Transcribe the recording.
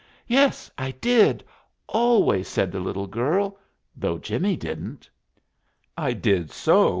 "Yes, I did always," said the little girl, "though Jimmie didn't." "I did so!"